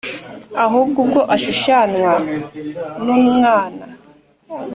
ahubwo ubwo ashushanywa n umwana